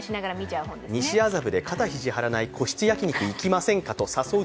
西麻布で肩肘張らずに個室居酒屋行きませんかと。